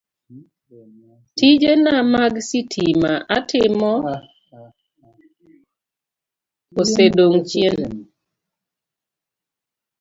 Tijena mag sitima atimo osedong' chien,